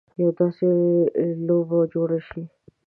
یوه داسې لوبه جوړه شي.